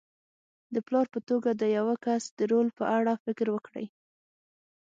د پلار په توګه د یوه کس د رول په اړه فکر وکړئ.